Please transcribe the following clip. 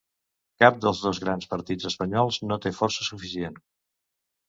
Cap dels dos grans partits espanyols no té força suficient